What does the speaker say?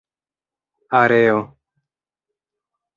areo